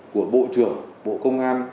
của bộ trưởng bộ công an